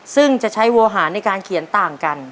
ซึ่งจะใช้โวหารในการเขียนต่างกัน